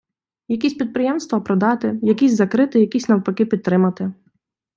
Якісь підприємства продати, якісь закрити, якісь навпаки підтримати.